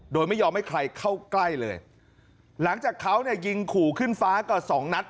โดยไม่ยอมให้ใครเข้าใกล้เลยหลังจากเขาเนี่ยยิงขู่ขึ้นฟ้ากว่าสองนัด